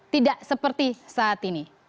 tidak seperti saat ini